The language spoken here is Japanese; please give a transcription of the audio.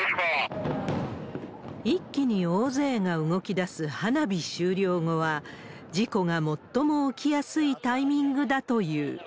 一気に大勢が動きだす花火終了後は、事故が最も起きやすいタイミングだという。